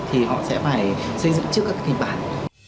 thì họ sẽ phải xây dựng trước các kịch bản